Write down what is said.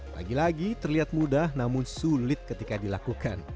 lagi lagi terlihat mudah namun sulit ketika dilakukan